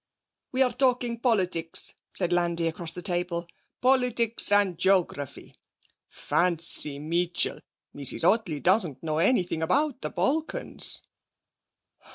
'We're talking politics,' said Landi, across the table. 'Politics, and geography! Fancy, Meetchel, Mrs Ottley doesn't know anything about the Balkans!'